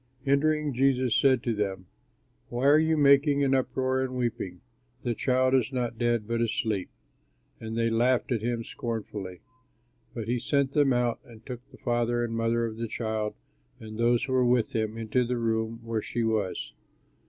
Entering, Jesus said to them, "Why are you making an uproar and weeping? The child is not dead, but asleep." And they laughed at him scornfully. But he sent them out and took the father and mother of the child and those who were with him into the room where she was.